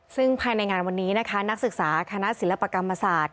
ซึ่งภายในงานวันนี้นะคะนักศึกษาคณะศิลปกรรมศาสตร์